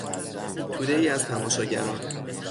تودهای از تماشاگران